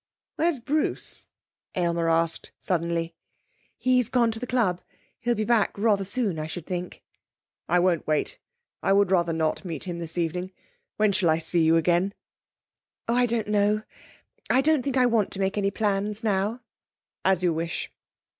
'Where's Bruce?' Aylmer asked suddenly. 'He's gone to the club. He'll be back rather soon, I should think.' 'I won't wait. I would rather not meet him this evening. When shall I see you again?' 'Oh, I don't know. I don't think I want to make any plans now.' 'As you wish.